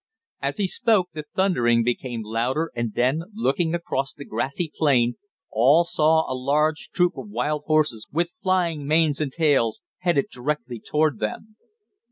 As he spoke the thundering became louder, and then, looking across the grassy plain, all saw a large troop of wild horses, with flying manes and tails, headed directly toward them!